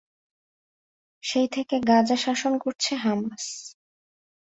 সেই থেকে গাজা শাসন করছে হামাস।